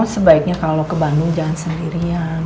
sebaiknya kalau ke bandung jangan sendirian